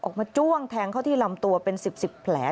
ออกมาจ้วงแทงเขาที่ลำตัวเป็นสิบแผล